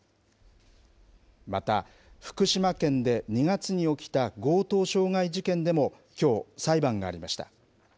また、福島県で２月に起きた強盗傷害事件でもきょう、裁判がありました。